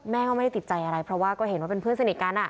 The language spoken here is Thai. แม่ก็ไม่ได้ติดใจอะไรเพราะว่าก็เห็นว่าเป็นเพื่อนสนิทกัน